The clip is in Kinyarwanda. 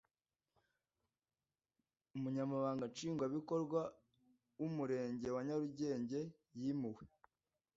umunyamabanga nshingwabikorwa wa w'umurenge wa nyarugenge yimuwe